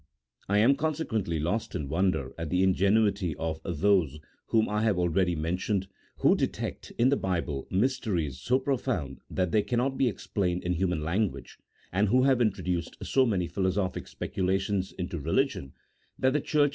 I am consequently lost in wonder at the ingenuity of +hose whom I have already mentioned, who detect in the Bible mysteries so profound that they cannot be explained in human language, and who have introduced so many philosophic speculations into religion that the Church 176 A THEOLOGICO POLITICAL TREATISE. [CHAP. XIII.